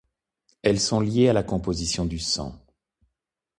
Elles sont liées à la composition du sang.